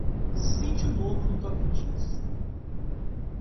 Sítio Novo do Tocantins